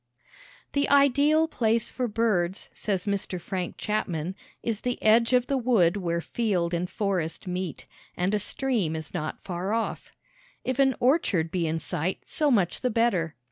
The ideal place for birds, says Mr. Frank Chapman, is the edge of the wood where field and forest meet, and a stream is not far off. If an orchard be in sight, so much the better.